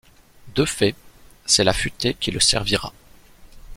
De fait, c'est La Futaie qui le servira.